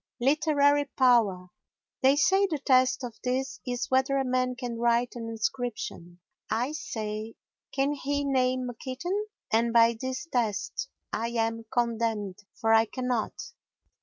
Literary Power They say the test of this is whether a man can write an inscription. I say "Can he name a kitten?" And by this test I am condemned, for I cannot.